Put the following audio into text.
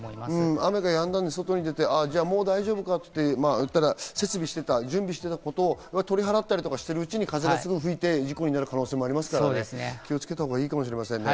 雨がやんで外に出て、もう大丈夫かと、準備していたことを取り払ったりしているうちに風が吹いてくるという可能性もありますから、気をつけたほうがいいかもしれませんね。